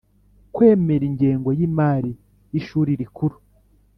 Kwemeza ingengo y imari y Ishuri Rikuru